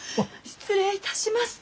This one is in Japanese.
失礼いたしました。